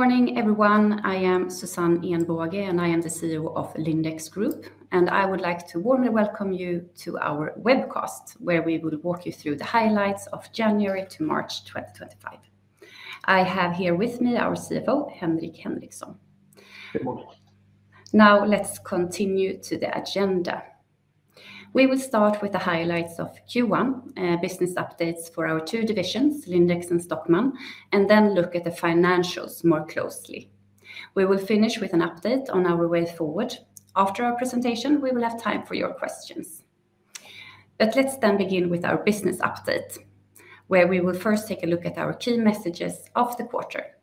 Good morning, everyone. I am Susanne Ehnbåge, and I am the CEO of Lindex Group, and I would like to warmly welcome you to our webcast, where we will walk you through the highlights of January to March 2025. I have here with me our CFO, Henrik Henriksson. Good morning. Now, let's continue to the agenda. We will start with the highlights of Q1, business updates for our two divisions, Lindex and Stockmann, and then look at the financials more closely. We will finish with an update on our way forward. After our presentation, we will have time for your questions. Let's then begin with our business update, where we will first take a look at our key messages of the quarter.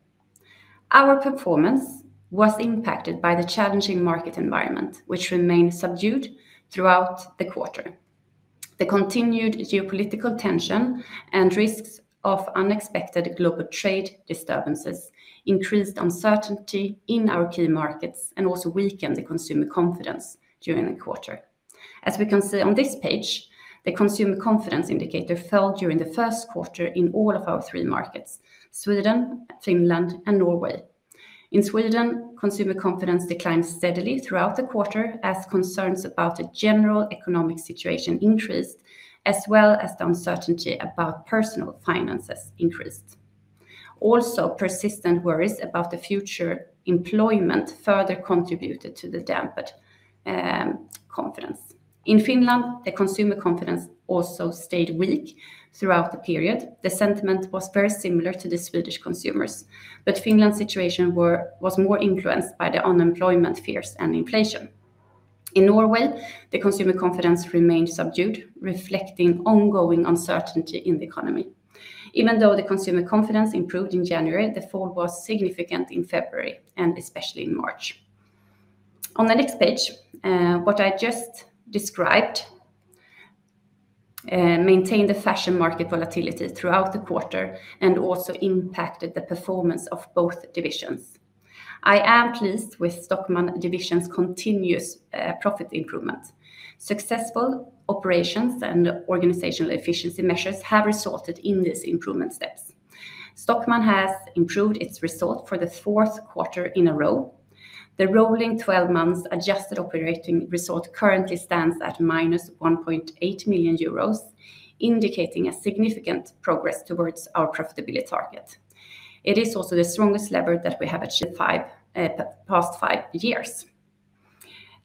Our performance was impacted by the challenging market environment, which remained subdued throughout the quarter. The continued geopolitical tension and risks of unexpected global trade disturbances increased uncertainty in our key markets and also weakened consumer confidence during the quarter. As we can see on this page, the consumer confidence indicator fell during the first quarter in all of our three markets: Sweden, Finland, and Norway. In Sweden, consumer confidence declined steadily throughout the quarter, as concerns about the general economic situation increased, as well as the uncertainty about personal finances increased. Also, persistent worries about future employment further contributed to the dampened confidence. In Finland, the consumer confidence also stayed weak throughout the period. The sentiment was very similar to Swedish consumers, but Finland's situation was more influenced by unemployment fears and inflation. In Norway, the consumer confidence remained subdued, reflecting ongoing uncertainty in the economy. Even though consumer confidence improved in January, the fall was significant in February, and especially in March. On the next page, what I just described maintained the fashion market volatility throughout the quarter and also impacted the performance of both divisions. I am pleased with Stockmann Division's continuous profit improvement. Successful operations and organizational efficiency measures have resulted in these improvement steps. Stockmann has improved its result for the fourth quarter in a row. The rolling 12-month adjusted operating result currently stands at 1.8 million euros, indicating significant progress towards our profitability target. It is also the strongest lever that we have achieved in the past five years.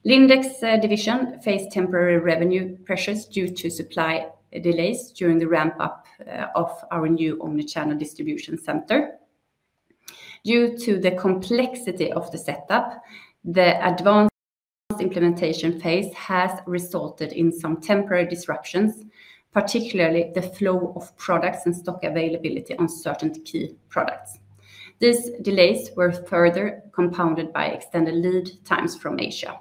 Lindex Division faced temporary revenue pressures due to supply delays during the ramp-up of our new omnichannel distribution center. Due to the complexity of the setup, the advanced implementation phase has resulted in some temporary disruptions, particularly the flow of products and stock availability on certain key products. These delays were further compounded by extended lead times from Asia.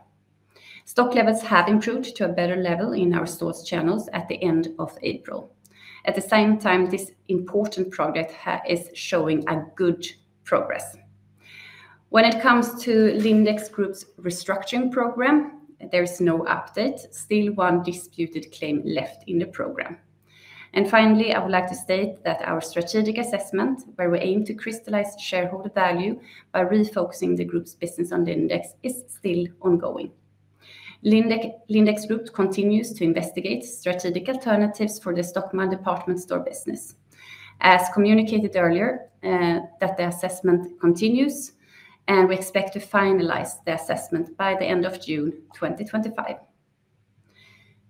Stock levels have improved to a better level in our source channels at the end of April. At the same time, this important project is showing good progress. When it comes to Lindex Group's restructuring program, there is no update. Still, one disputed claim is left in the program. Finally, I would like to state that our strategic assessment, where we aim to crystallize shareholder value by refocusing the group's business on Lindex, is still ongoing. Lindex Group continues to investigate strategic alternatives for the Stockmann department store business. As communicated earlier, the assessment continues, and we expect to finalize the assessment by the end of June 2025.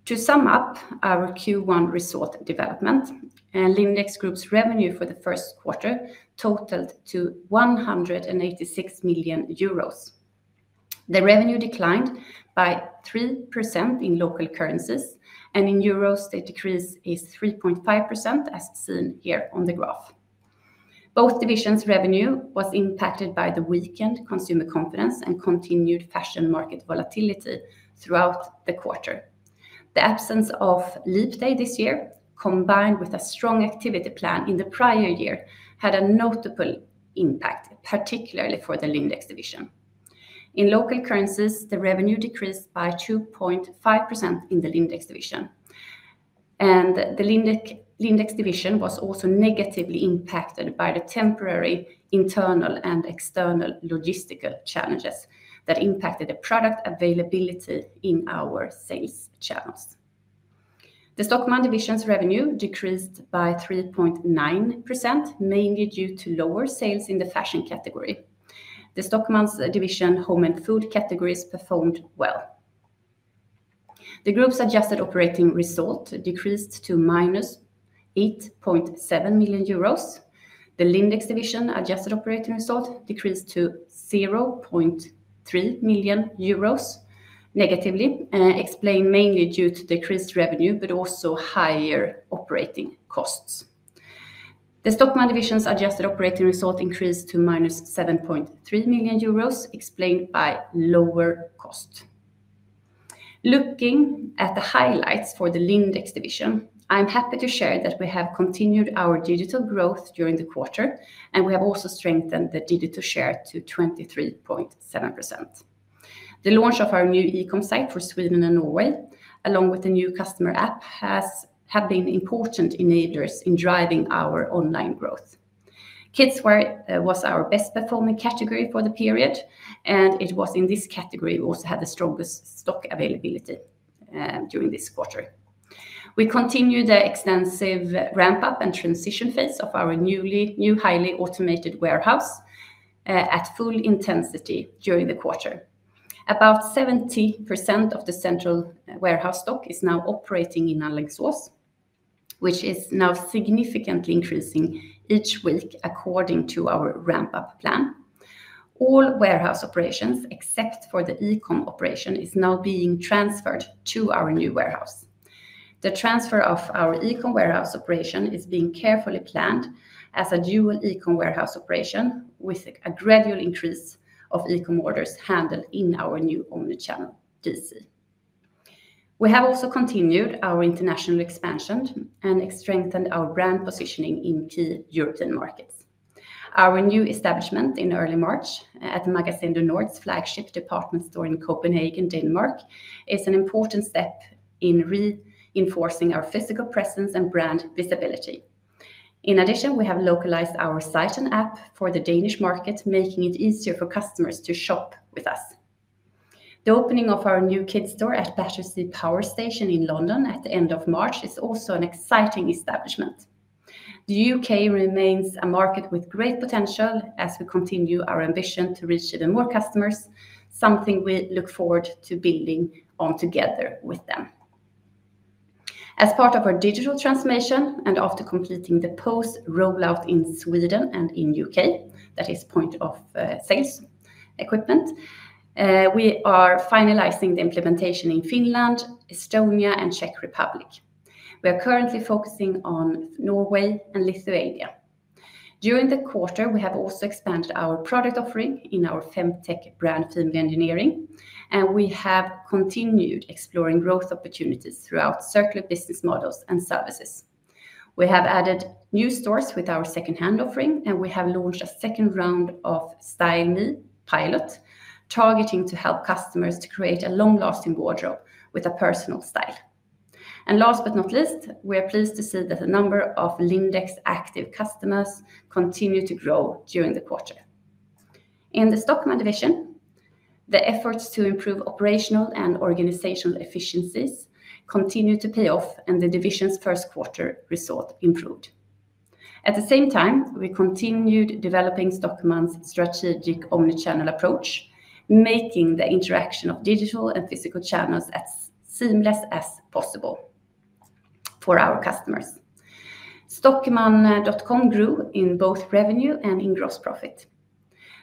To sum up our Q1 result development, Lindex Group's revenue for the first quarter totaled 186 million euros. The revenue declined by 3% in local currencies, and in Euros, the decrease is 3.5%, as seen here on the graph. Both divisions' revenue was impacted by the weakened consumer confidence and continued fashion market volatility throughout the quarter. The absence of Leap Day this year, combined with a strong activity plan in the prior year, had a notable impact, particularly for the Lindex Division. In local currencies, the revenue decreased by 2.5% in the Lindex Division. The Lindex Division was also negatively impacted by the temporary internal and external logistical challenges that impacted product availability in our sales channels. The Stockmann Division's revenue decreased by 3.9%, mainly due to lower sales in the fashion category. The Stockmann Division home and food categories performed well. The group's adjusted operating result decreased to -8.7 million euros. The Lindex Division adjusted operating result decreased to 0.3 million euros, negatively explained mainly due to decreased revenue, but also higher operating costs. The Stockmann Division's adjusted operating result increased to -7.3 million euros, explained by lower cost. Looking at the highlights for the Lindex Division, I'm happy to share that we have continued our digital growth during the quarter, and we have also strengthened the digital share to 23.7%. The launch of our new e-comm site for Sweden and Norway, along with the new customer app, have been important enablers in driving our online growth. Kidswear was our best-performing category for the period, and it was in this category we also had the strongest stock availability during this quarter. We continued the extensive ramp-up and transition phase of our new highly automated warehouse at full intensity during the quarter. About 70% of the central warehouse stock is now operating in Alingsås, which is now significantly increasing each week according to our ramp-up plan. All warehouse operations, except for the e-comm operation, are now being transferred to our new warehouse. The transfer of our e-comm warehouse operation is being carefully planned as a dual e-comm warehouse operation, with a gradual increase of e-comm orders handled in our new omnichannel DC. We have also continued our international expansion and strengthened our brand positioning in key European markets. Our new establishment in early March at the Magasin du Nord's flagship department store in Copenhagen, Denmark, is an important step in reinforcing our physical presence and brand visibility. In addition, we have localized our site and app for the Danish market, making it easier for customers to shop with us. The opening of our new kids store at Battersea Power Station in London at the end of March is also an exciting establishment. The U.K. remains a market with great potential as we continue our ambition to reach even more customers, something we look forward to building on together with them. As part of our digital transformation and after completing the POS rollout in Sweden and in the U.K., that is, point of sales equipment, we are finalizing the implementation in Finland, Estonia, and the Czech Republic. We are currently focusing on Norway and Lithuania. During the quarter, we have also expanded our product offering in our Femtech brand Female Engineering, and we have continued exploring growth opportunities throughout circular business models and services. We have added new stores with our second-hand offering, and we have launched a second round of Style Me pilot, targeting to help customers to create a long-lasting wardrobe with a personal style. Last but not least, we are pleased to see that the number of Lindex active customers continues to grow during the quarter. In the Stockmann Division, the efforts to improve operational and organizational efficiencies continue to pay off, and the division's first quarter result improved. At the same time, we continued developing Stockmann's strategic omnichannel approach, making the interaction of digital and physical channels as seamless as possible for our customers. Stockmann.com grew in both revenue and in gross profit.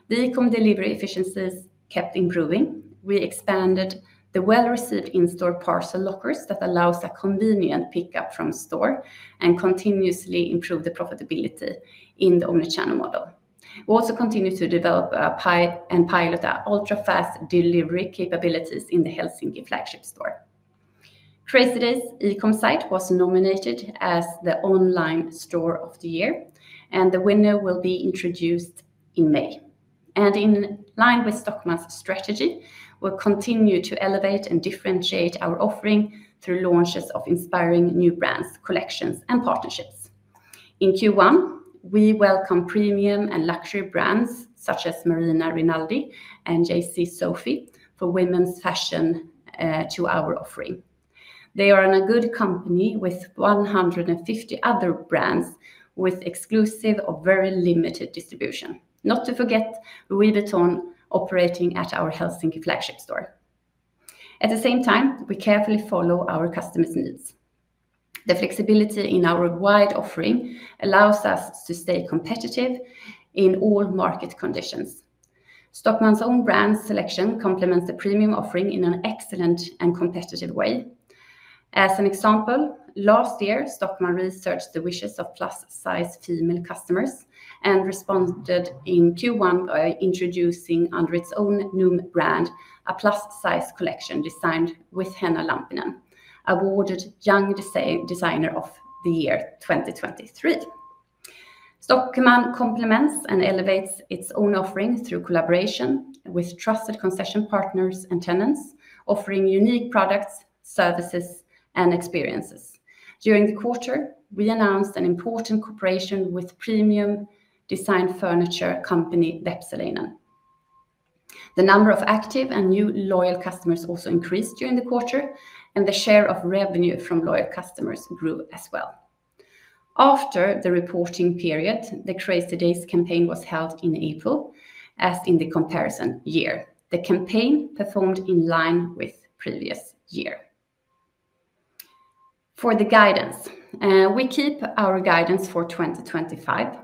The e-comm delivery efficiencies kept improving. We expanded the well-received in-store parcel lockers that allow a convenient pickup from store and continuously improved the profitability in the omnichannel model. We also continue to develop and pilot ultra-fast delivery capabilities in the Helsinki flagship store. Crazy Days e-comm site was nominated as the online store of the year, and the winner will be introduced in May. In line with Stockmann's strategy, we will continue to elevate and differentiate our offering through launches of inspiring new brands, collections, and partnerships. In Q1, we welcome premium and luxury brands such as Marina Rinaldi and JC Sophie for women's fashion to our offering. They are a good company with 150 other brands with exclusive or very limited distribution. Not to forget Louis Vuitton operating at our Helsinki flagship store. At the same time, we carefully follow our customers' needs. The flexibility in our wide offering allows us to stay competitive in all market conditions. Stockmann's own brand selection complements the premium offering in an excellent and competitive way. As an example, last year, Stockmann researched the wishes of plus-size female customers and responded in Q1 by introducing, under its own new brand, a plus-size collection designed with Henna Lampinen, awarded Young Designer of the Year 2023. Stockmann complements and elevates its own offering through collaboration with trusted concession partners and tenants, offering unique products, services, and experiences. During the quarter, we announced an important cooperation with premium design furniture company Vepsäläinen. The number of active and new loyal customers also increased during the quarter, and the share of revenue from loyal customers grew as well. After the reporting period, the Crazy Days campaign was held in April, as in the comparison year. The campaign performed in line with the previous year. For the guidance, we keep our guidance for 2025.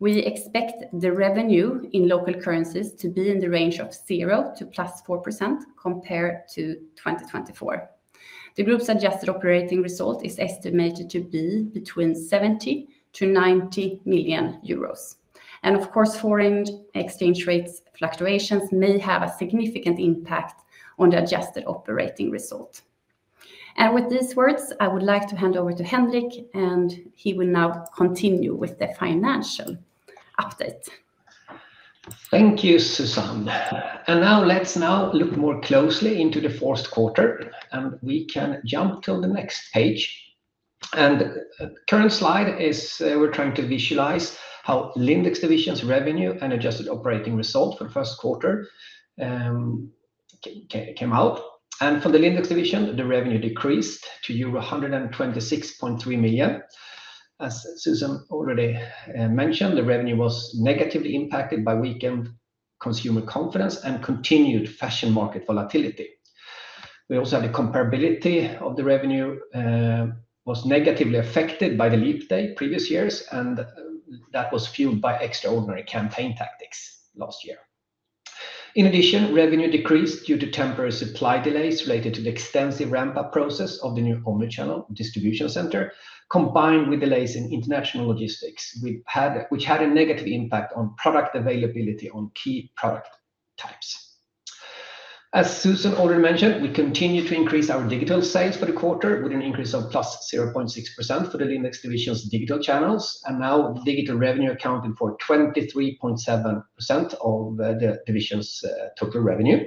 We expect the revenue in local currencies to be in the range of 0%-4% compared to 2024. The group's adjusted operating result is estimated to be between 70 million-90 million euros. Of course, foreign exchange rate fluctuations may have a significant impact on the adjusted operating result. With these words, I would like to hand over to Henrik, and he will now continue with the financial update. Thank you, Susanne. Now, let's now look more closely into the fourth quarter, and we can jump to the next page. Current slide is we're trying to visualize how Lindex Division's revenue and adjusted operating result for the first quarter came out. For the Lindex Division, the revenue decreased to euro 126.3 million. As Susanne already mentioned, the revenue was negatively impacted by weak consumer confidence and continued fashion market volatility. We also had a comparability of the revenue that was negatively affected by the Leap Day previous years, and that was fueled by extraordinary campaign tactics last year. In addition, revenue decreased due to temporary supply delays related to the extensive ramp-up process of the new omnichannel distribution center, combined with delays in international logistics, which had a negative impact on product availability on key product types. As Susanne already mentioned, we continue to increase our digital sales for the quarter with an increase of +0.6% for the Lindex Division's digital channels, and now digital revenue accounted for 23.7% of the division's total revenue.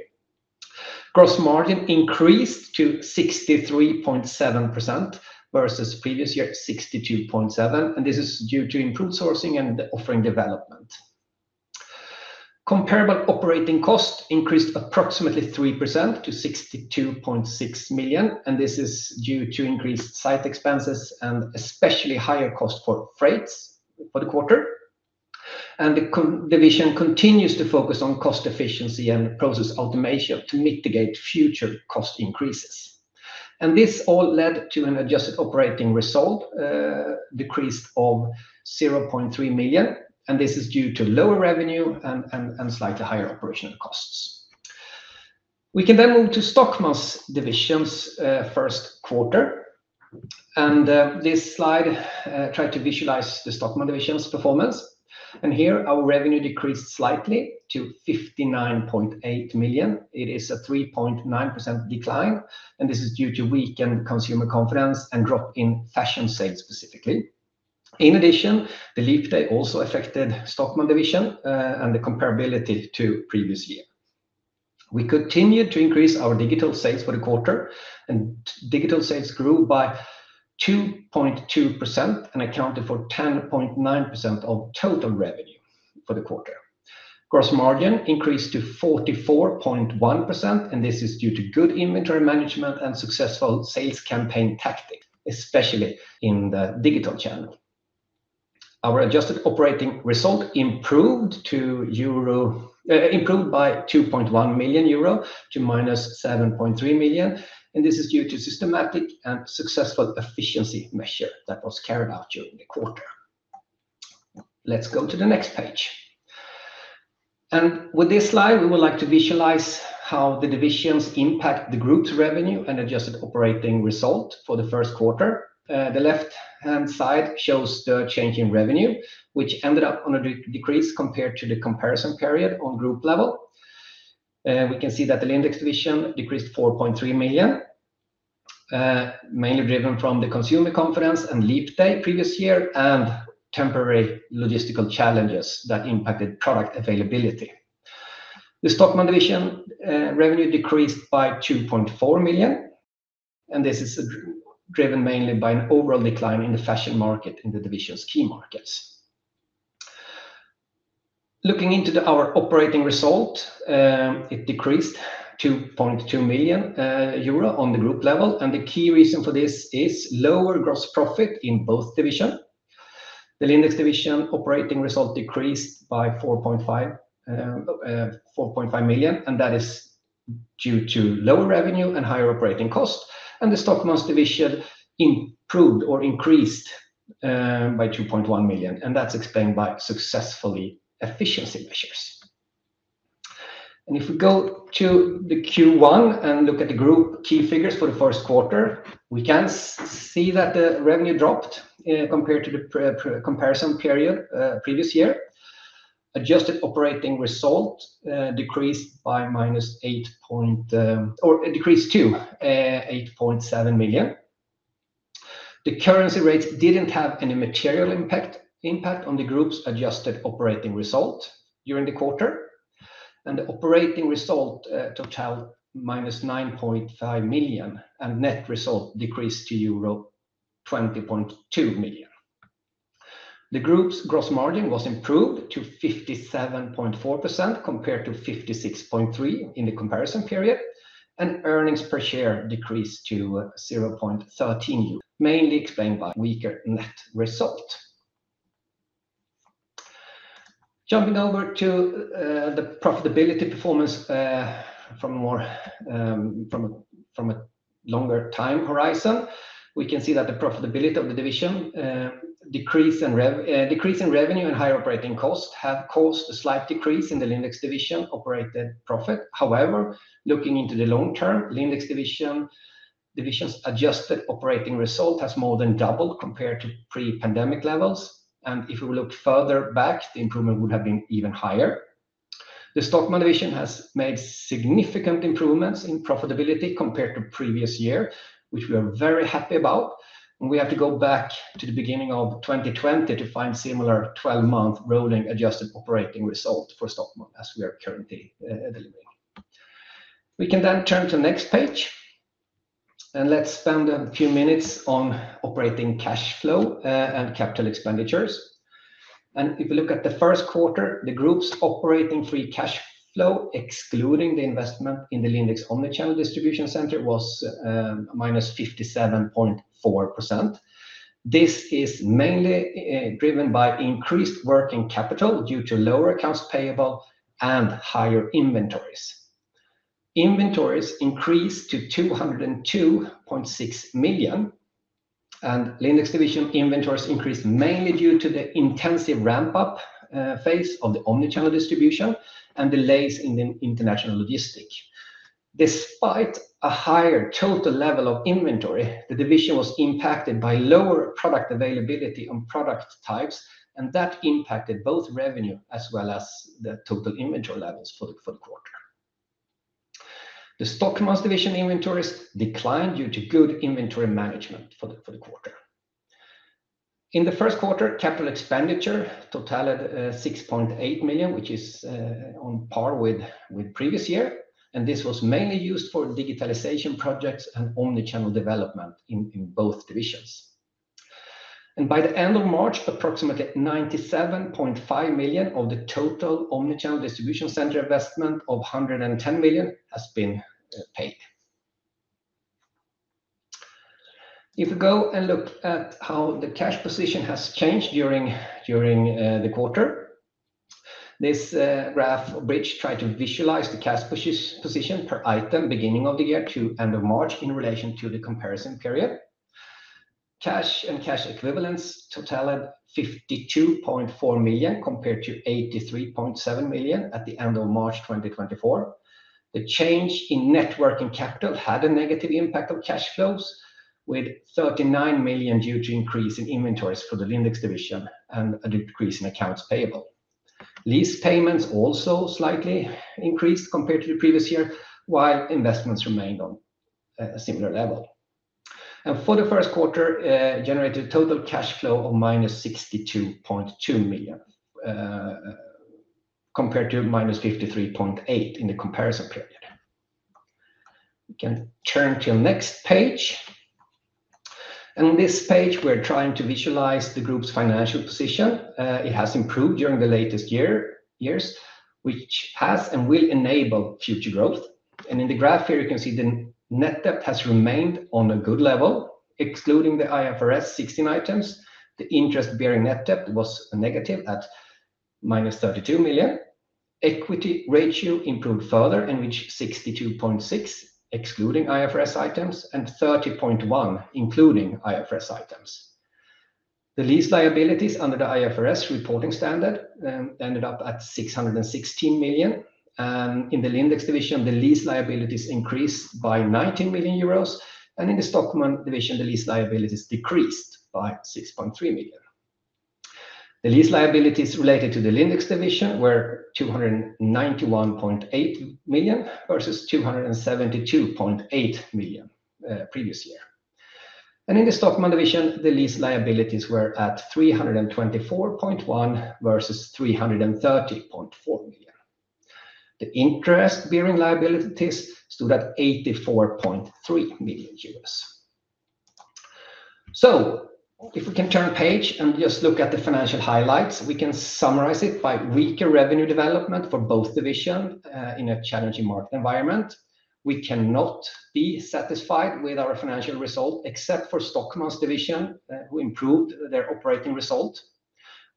Gross margin increased to 63.7% versus previous year 62.7%, and this is due to improved sourcing and the offering development. Comparable operating cost increased approximately 3% to 62.6 million, and this is due to increased site expenses and especially higher cost for freights for the quarter. The division continues to focus on cost efficiency and process automation to mitigate future cost increases. This all led to an adjusted operating result decrease of 0.3 million, and this is due to lower revenue and slightly higher operational costs. We can then move to Stockmann Division's first quarter. This slide tried to visualize the Stockmann Division's performance. Here, our revenue decreased slightly to 59.8 million. It is a 3.9% decline, and this is due to weak consumer confidence and drop in fashion sales specifically. In addition, the Leap Day also affected Stockmann Division and the comparability to previous year. We continued to increase our digital sales for the quarter, and digital sales grew by 2.2% and accounted for 10.9% of total revenue for the quarter. Gross margin increased to 44.1%, and this is due to good inventory management and successful sales campaign tactics, especially in the digital channel. Our adjusted operating result improved by 2.1 million euro to minus 7.3 million, and this is due to systematic and successful efficiency measures that were carried out during the quarter. Let's go to the next page. With this slide, we would like to visualize how the divisions impact the group's revenue and adjusted operating result for the first quarter. The left-hand side shows the change in revenue, which ended up on a decrease compared to the comparison period on group level. We can see that the Lindex Division decreased 4.3 million, mainly driven from the consumer confidence and Leap Day previous year and temporary logistical challenges that impacted product availability. The Stockmann Division revenue decreased by 2.4 million, and this is driven mainly by an overall decline in the fashion market in the division's key markets. Looking into our operating result, it decreased 2.2 million euro on the group level, and the key reason for this is lower gross profit in both divisions. The Lindex Division operating result decreased by 4.5 million, and that is due to lower revenue and higher operating costs. The Stockmann Division improved or increased by 2.1 million, and that's explained by successful efficiency measures. If we go to the Q1 and look at the group key figures for the first quarter, we can see that the revenue dropped compared to the comparison period previous year. Adjusted operating result decreased by -8.7 million. The currency rates did not have any material impact on the group's adjusted operating result during the quarter, and the operating result total -9.5 million, and net result decreased to euro 20.2 million. The group's gross margin was improved to 57.4% compared to 56.3% in the comparison period, and earnings per share decreased to 0.13 euros, mainly explained by weaker net result. Jumping over to the profitability performance from a longer time horizon, we can see that the profitability of the division decreased in revenue and higher operating costs have caused a slight decrease in the Lindex Division operated profit. However, looking into the long term, Lindex Division's adjusted operating result has more than doubled compared to pre-pandemic levels, and if we look further back, the improvement would have been even higher. The Stockmann Division has made significant improvements in profitability compared to previous year, which we are very happy about. We have to go back to the beginning of 2020 to find similar 12-month rolling adjusted operating result for Stockmann as we are currently delivering. We can then turn to the next page, and let's spend a few minutes on operating cash flow and capital expenditures. If we look at the first quarter, the group's operating free cash flow, excluding the investment in the Lindex omnichannel distribution center, was -57.4%. This is mainly driven by increased working capital due to lower accounts payable and higher inventories. Inventories increased to 202.6 million, and Lindex Division inventories increased mainly due to the intensive ramp-up phase of the omnichannel distribution and delays in the international logistics. Despite a higher total level of inventory, the division was impacted by lower product availability on product types, and that impacted both revenue as well as the total inventory levels for the quarter. The Stockmann division inventories declined due to good inventory management for the quarter. In the first quarter, capital expenditure totaled 6.8 million, which is on par with previous year, and this was mainly used for digitalization projects and omnichannel development in both divisions. By the end of March, approximately 97.5 million of the total omnichannel distribution center investment of 110 million has been paid. If we go and look at how the cash position has changed during the quarter, this graph bridge tried to visualize the cash position per item beginning of the year to end of March in relation to the comparison period. Cash and cash equivalents totaled 52.4 million compared to 83.7 million at the end of March 2024. The change in net working capital had a negative impact on cash flows, with 39 million due to increase in inventories for the Lindex Division and a decrease in accounts payable. Lease payments also slightly increased compared to the previous year, while investments remained on a similar level. For the first quarter, it generated a total cash flow of minus 62.2 million compared to minus 53.8 million in the comparison period. We can turn to the next page. On this page, we're trying to visualize the group's financial position. It has improved during the latest years, which has and will enable future growth. In the graph here, you can see the net debt has remained on a good level, excluding the IFRS 16 items. The interest-bearing net debt was negative at -32 million. Equity ratio improved further, in which 62.6% excluding IFRS items and 30.1% including IFRS items. The lease liabilities under the IFRS reporting standard ended up at 616 million. In the Lindex Division, the lease liabilities increased by 19 million euros, and in the Stockmann Division, the lease liabilities decreased by 6.3 million. The lease liabilities related to the Lindex Division were 291.8 million versus 272.8 million previous year. In the Stockmann Division, the lease liabilities were at 324.1 million versus 330.4 million. The interest-bearing liabilities stood at 84.3 million. If we can turn the page and just look at the financial highlights, we can summarize it by weaker revenue development for both divisions in a challenging market environment. We cannot be satisfied with our financial result except for Stockmann's division, who improved their operating result.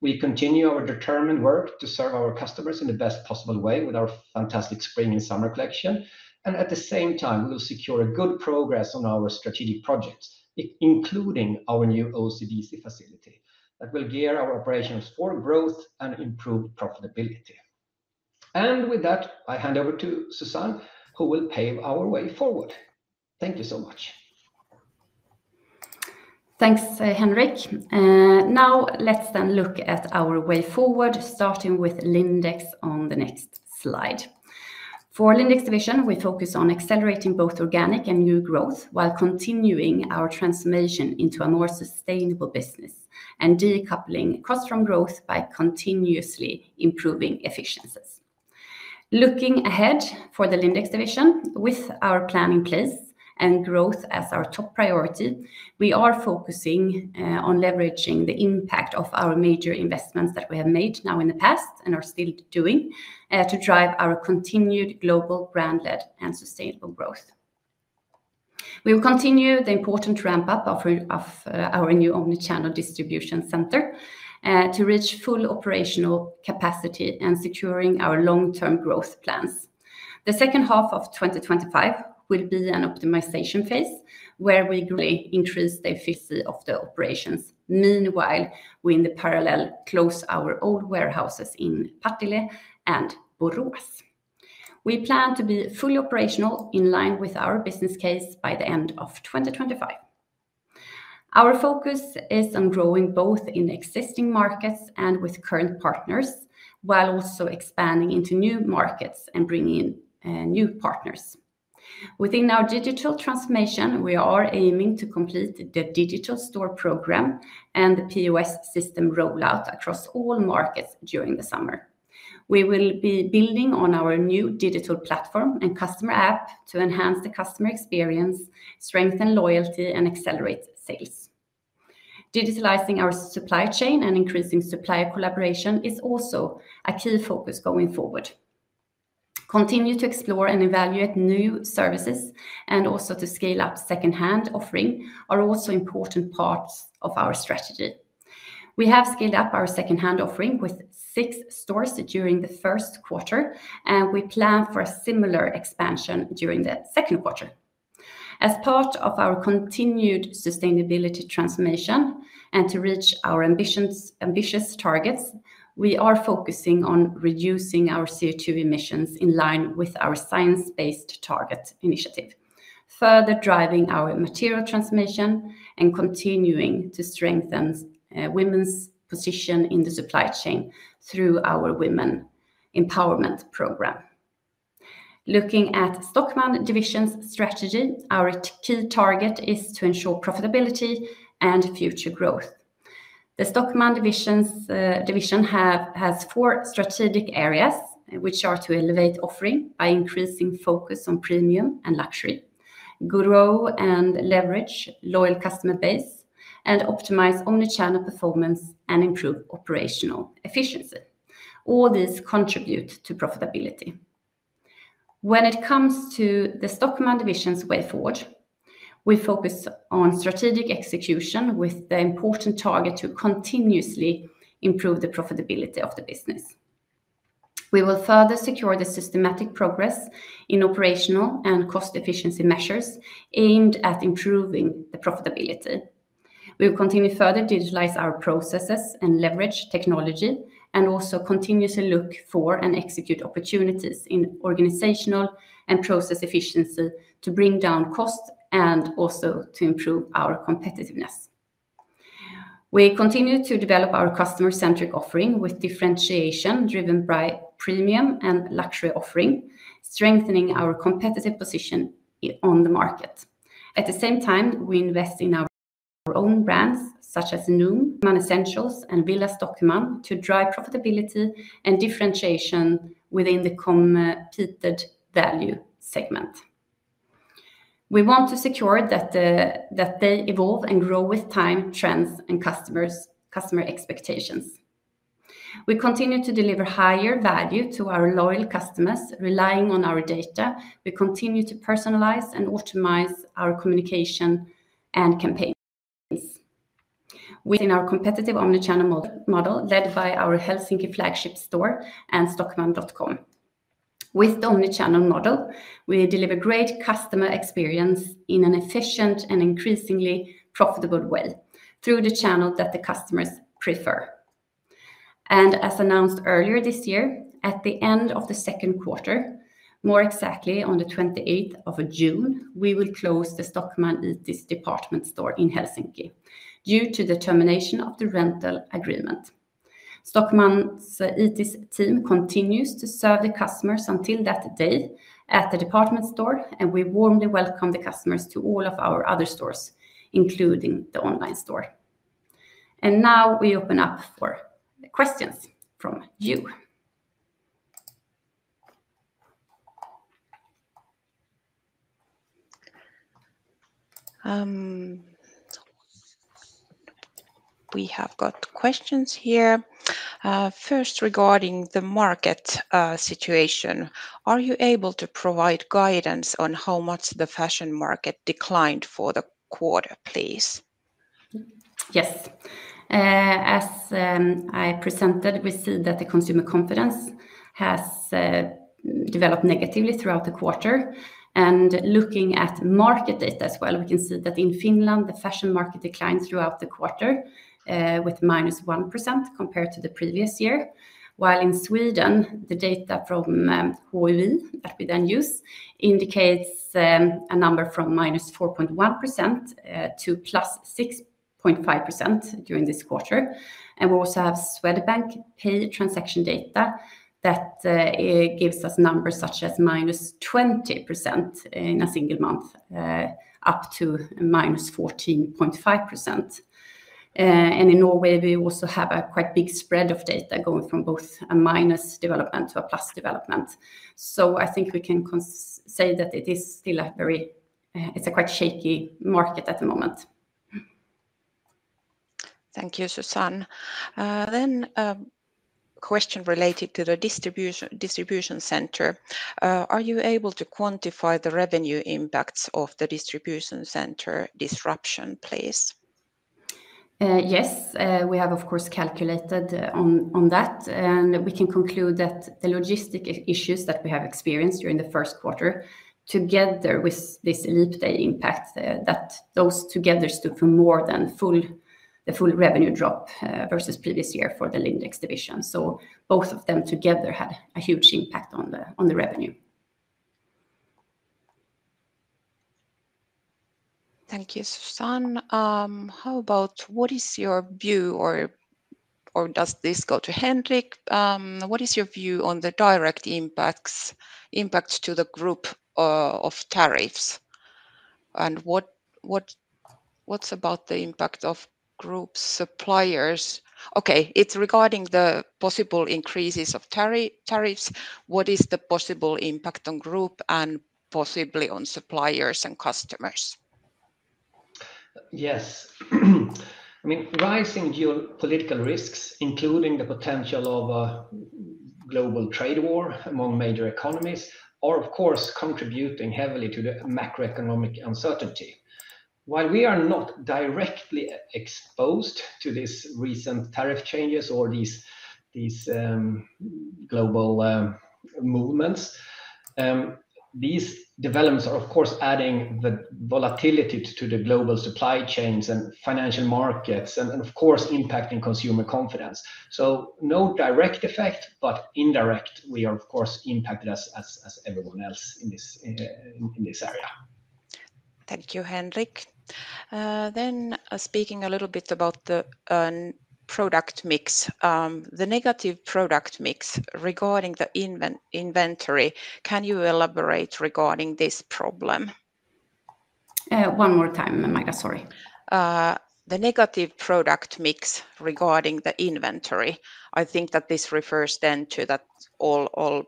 We continue our determined work to serve our customers in the best possible way with our fantastic spring and summer collection, and at the same time, we will secure good progress on our strategic projects, including our new OCDC facility that will gear our operations for growth and improved profitability. With that, I hand over to Susanne, who will pave our way forward. Thank you so much. Thanks, Henrik. Now, let's then look at our way forward, starting with Lindex on the next slide. For Lindex Division, we focus on accelerating both organic and new growth while continuing our transformation into a more sustainable business and decoupling cost from growth by continuously improving efficiencies. Looking ahead for the Lindex Division, with our plan in place and growth as our top priority, we are focusing on leveraging the impact of our major investments that we have made now in the past and are still doing to drive our continued global brand-led and sustainable growth. We will continue the important ramp-up of our new omnichannel distribution center to reach full operational capacity and securing our long-term growth plans. The second half of 2025 will be an optimization phase where we greatly increase the efficiency of the operations. Meanwhile, we in the parallel close our old warehouses in Partille and Borås. We plan to be fully operational in line with our business case by the end of 2025. Our focus is on growing both in existing markets and with current partners, while also expanding into new markets and bringing in new partners. Within our digital transformation, we are aiming to complete the digital store program and the POS system rollout across all markets during the summer. We will be building on our new digital platform and customer app to enhance the customer experience, strengthen loyalty, and accelerate sales. Digitalizing our supply chain and increasing supplier collaboration is also a key focus going forward. Continuing to explore and evaluate new services and also to scale up second-hand offering are also important parts of our strategy. We have scaled up our second-hand offering with six stores during the first quarter, and we plan for a similar expansion during the second quarter. As part of our continued sustainability transformation and to reach our ambitious targets, we are focusing on reducing our CO2 emissions in line with our science-based target initiative, further driving our material transformation and continuing to strengthen women's position in the supply chain through our women empowerment program. Looking at Stockmann Division's strategy, our key target is to ensure profitability and future growth. The Stockmann Division has four strategic areas, which are to elevate offering by increasing focus on premium and luxury, grow and leverage loyal customer base, and optimize omnichannel performance and improve operational efficiency. All these contribute to profitability. When it comes to the Stockmann Division's way forward, we focus on strategic execution with the important target to continuously improve the profitability of the business. We will further secure the systematic progress in operational and cost efficiency measures aimed at improving the profitability. We will continue further to utilize our processes and leverage technology and also continuously look for and execute opportunities in organizational and process efficiency to bring down costs and also to improve our competitiveness. We continue to develop our customer-centric offering with differentiation driven by premium and luxury offering, strengthening our competitive position on the market. At the same time, we invest in our own brands such as NOOM, Stockmann Essentials, and Villa Stockmann to drive profitability and differentiation within the competed value segment. We want to secure that they evolve and grow with time, trends, and customer expectations. We continue to deliver higher value to our loyal customers relying on our data. We continue to personalize and optimize our communication and campaigns. Within our competitive omnichannel model led by our Helsinki flagship store and Stockmann.com. With the omnichannel model, we deliver great customer experience in an efficient and increasingly profitable way through the channel that the customers prefer. As announced earlier this year, at the end of the second quarter, more exactly on the 28th of June, we will close the Stockmann Itis department store in Helsinki due to the termination of the rental agreement. Stockmann's Itis team continues to serve the customers until that day at the department store, and we warmly welcome the customers to all of our other stores, including the online store. Now, we open up for questions from you. We have got questions here. First, regarding the market situation, are you able to provide guidance on how much the fashion market declined for the quarter, please? Yes. As I presented, we see that the consumer confidence has developed negatively throughout the quarter. Looking at market data as well, we can see that in Finland, the fashion market declined throughout the quarter with -1% compared to the previous year, while in Sweden, the data from HUI that we then use indicates a number from -4.1% to +6.5% during this quarter. We also have Swedbank Pay transaction data that gives us numbers such as -20% in a single month up to -14.5%. In Norway, we also have a quite big spread of data going from both a minus development to a plus development. I think we can say that it is still a very shaky market at the moment. Thank you, Susanne. A question related to the distribution center. Are you able to quantify the revenue impacts of the distribution center disruption, please? Yes. We have, of course, calculated on that, and we can conclude that the logistic issues that we have experienced during the first quarter, together with this Leap Day impact, those together stood for more than the full revenue drop versus previous year for the Lindex division. Both of them together had a huge impact on the revenue. Thank you, Susanne. How about what is your view, or does this go to Henrik? What is your view on the direct impacts to the group of tariffs? What's about the impact of group suppliers? Okay, it's regarding the possible increases of tariffs. What is the possible impact on group and possibly on suppliers and customers? Yes. Rising geopolitical risks, including the potential of a global trade war among major economies, are, of course, contributing heavily to the macroeconomic uncertainty. While we are not directly exposed to these recent tariff changes or these global movements, these developments are, of course, adding the volatility to the global supply chains and financial markets and, of course, impacting consumer confidence. No direct effect, but indirect, we are, of course, impacted as everyone else in this area. Thank you, Henrik. Speaking a little bit about the product mix, the negative product mix regarding the inventory, can you elaborate regarding this problem? One more time, Magda, sorry. The negative product mix regarding the inventory, I think that this refers then to that all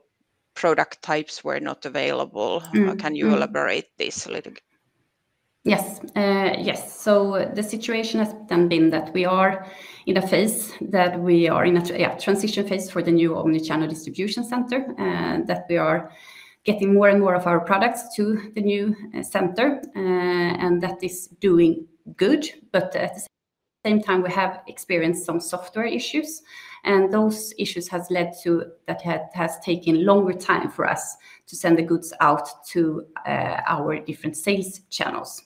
product types were not available. Can you elaborate this a little? Yes. The situation has then been that we are in a phase that we are in a transition phase for the new omnichannel distribution center, that we are getting more and more of our products to the new center, and that is doing good. At the same time, we have experienced some software issues, and those issues have led to that it has taken longer time for us to send the goods out to our different sales channels.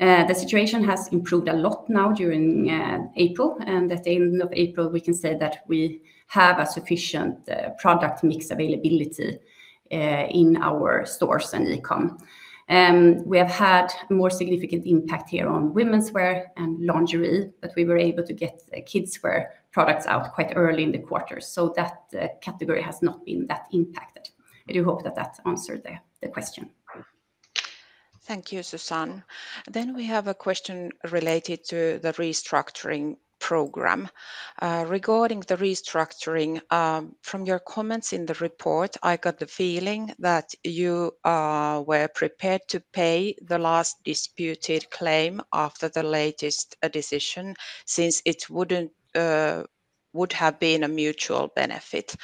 The situation has improved a lot now during April, and at the end of April, we can say that we have a sufficient product mix availability in our stores and e-comm. We have had more significant impact here on women's wear and lingerie that we were able to get kids' wear products out quite early in the quarter. That category has not been that impacted. I do hope that that answered the question. Thank you, Susan. We have a question related to the restructuring program. Regarding the restructuring, from your comments in the report, I got the feeling that you were prepared to pay the last disputed claim after the latest decision since it would have been a mutual benefit.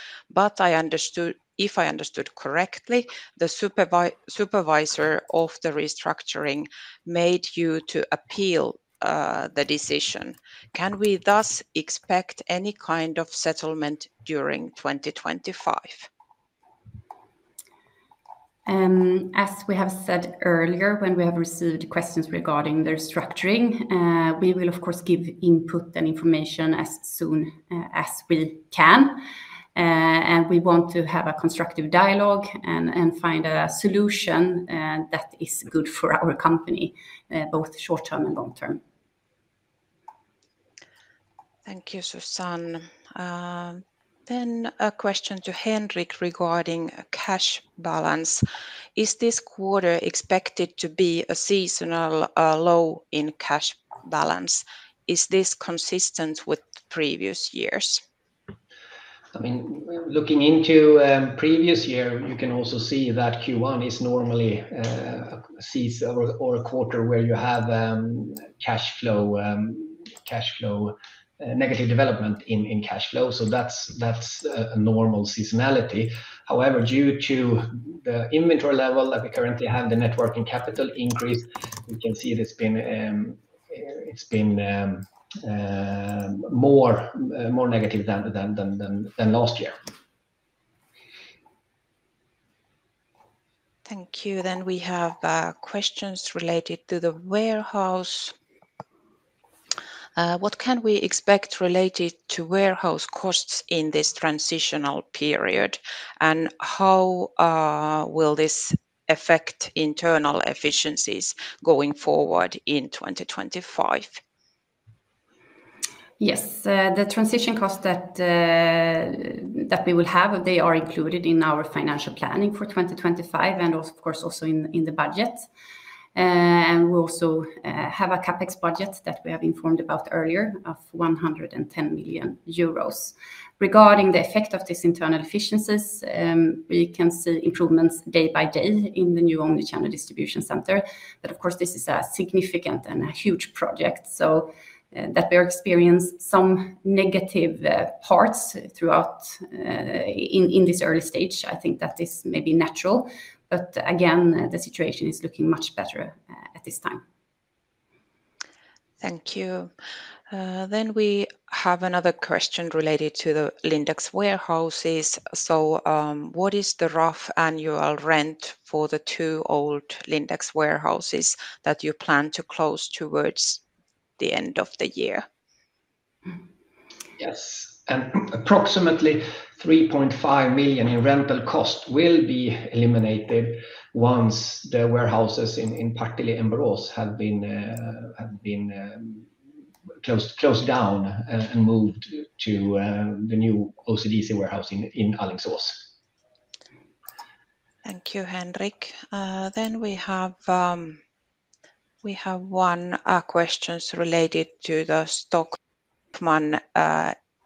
If I understood correctly, the supervisor of the restructuring made you appeal the decision. Can we thus expect any kind of settlement during 2025? As we have said earlier, when we have received questions regarding the restructuring, we will, of course, give input and information as soon as we can. We want to have a constructive dialogue and find a solution that is good for our company, both short term and long term. Thank you, Susan. A question to Henrik regarding cash balance. Is this quarter expected to be a seasonal low in cash balance? Is this consistent with previous years? Looking into previous year, you can also see that Q1 is normally a season or a quarter where you have negative development in cash flow. That's a normal seasonality. However, due to the inventory level that we currently have, the networking capital increase, we can see it's been more negative than last year. Thank you. We have questions related to the warehouse. What can we expect related to warehouse costs in this transitional period? How will this affect internal efficiencies going forward in 2025? Yes. The transition costs that we will have, they are included in our financial planning for 2025 and, of course, also in the budget. We also have a CapEx budget that we have informed about earlier of 110 million euros. Regarding the effect of these internal efficiencies, we can see improvements day by day in the new omnichannel distribution center. Of course, this is a significant and a huge project. We are experiencing some negative parts throughout in this early stage. I think that is maybe natural. Again, the situation is looking much better at this time. Thank you. We have another question related to the Lindex warehouses. What is the rough annual rent for the two old Lindex warehouses that you plan to close towards the end of the year? Yes. Approximately 3.5 million in rental costs will be eliminated once the warehouses in Partille and Borås have been closed down and moved to the new OCDC warehouse in Alingsås. Thank you, Henrik. We have one question related to the Stockmann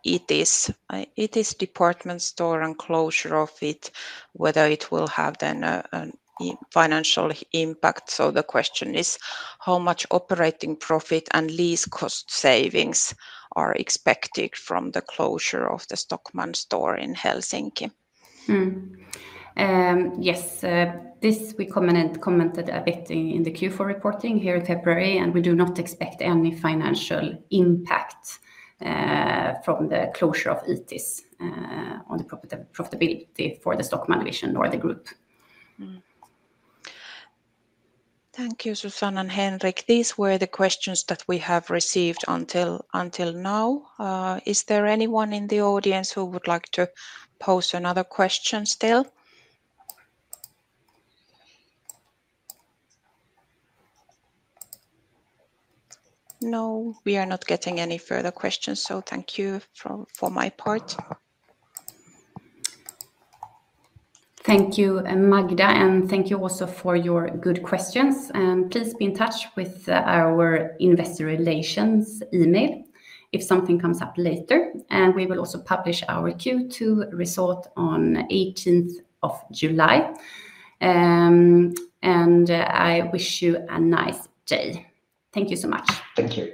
Itis department store and closure of it, whether it will have then a financial impact. The question is how much operating profit and lease cost savings are expected from the closure of the Stockmann store in Helsinki. Yes. This we commented a bit in the Q4 reporting here in February, and we do not expect any financial impact from the closure of Isti on the profitability for the Stockmann division or the group. Thank you, Susanne and Henrik. These were the questions that we have received until now. Is there anyone in the audience who would like to pose another question still? No. We are not getting any further questions. Thank you for my part. Thank you, Magda. Thank you also for your good questions. Please be in touch with our investor relations email if something comes up later. We will also publish our Q2 result on the 18th of July. I wish you a nice day. Thank you so much. Thank you.